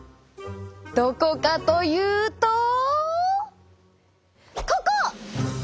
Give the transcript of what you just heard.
どこかというとここ！